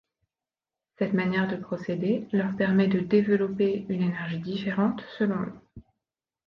Cette manière de procéder leur permet de développer une énergie différente, selon eux.